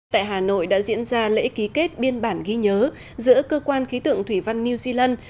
tại hà nội đã diễn ra lễ ký kết biên bản ghi nhớ giữa cơ quan khí tượng thủy văn new zealand